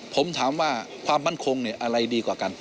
ผมถามว่าความมั่นคงอะไรดีกว่ากัน